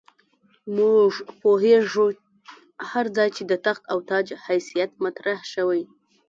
موږ پوهېږو هر ځای چې د تخت او تاج حیثیت مطرح شوی.